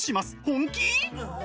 本気！？